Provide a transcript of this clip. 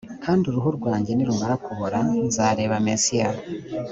kandi uruhu rwanjye nirumara kubora nzareba mesiya